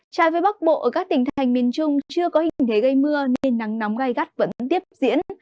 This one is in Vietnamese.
trái với bắc bộ ở các tỉnh thành miền trung chưa có hình thế gây mưa nên nắng nóng gai gắt vẫn tiếp diễn